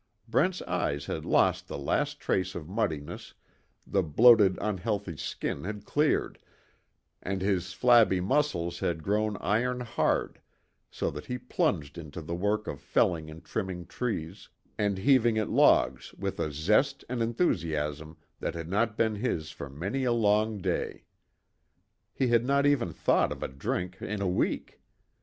Brent's eyes had lost the last trace of muddiness, the bloated unhealthy skin had cleared, and his flabby muscles had grown iron hard so that he plunged into the work of felling and trimming trees, and heaving at logs with a zest and enthusiasm that had not been his for many a long day. He had not even thought of a drink in a week.